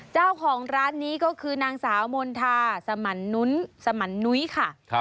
เจ้าของร้านนี้ก็คือนางสาวมณฑาสมันนุ้นสมันนุ้ยค่ะ